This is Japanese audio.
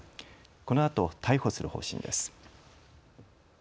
このあと逮捕する方針です。